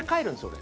俺。